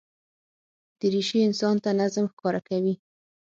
دریشي انسان ته نظم ښکاره کوي.